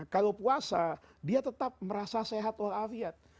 kalau puasa dia tetap merasa sehat walafiat